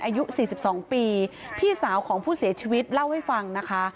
อายุ๔๒ปีพี่สาวของผู้เสียชีวิตเล่าให้ฟังนะคะ